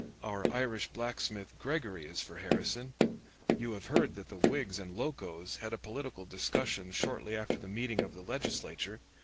Our Irish blacksmith Gregory is for Harrison.... You have heard that the Whigs and Locos had a political discussion shortly after the meeting of the Legislature.